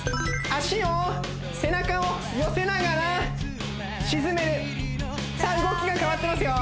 脚を背中を寄せながら沈めるさあ動きが変わってますよ